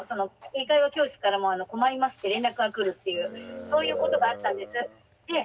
英会話教室からも「困ります」って連絡が来るっていうそういうことがあったんです。